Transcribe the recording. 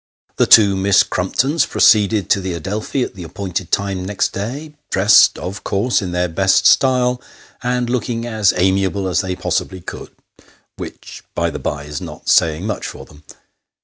The two Miss Crumptons proceeded to the Adelphi at the appointed time next day, dressed, of course, in their best style, and looking as amiable as they possibly could which, by the bye, is not saying much for them.